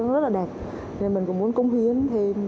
nó rất là đẹp nên mình cũng muốn cung hiến thêm